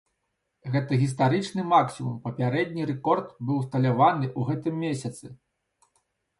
Гэта гістарычны максімум, папярэдні рэкорд быў усталяваны ў гэтым месяцы.